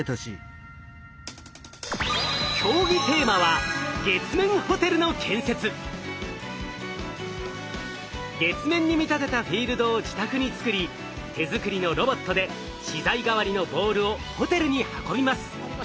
競技テーマは月面に見立てたフィールドを自宅に作り手作りのロボットで資材代わりのボールをホテルに運びます。